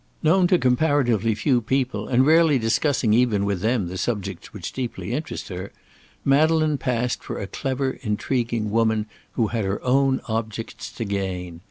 Known to comparatively few people, and rarely discussing even with them the subjects which deeply interested her, Madeleine passed for a clever, intriguing woman who had her own objects to gain.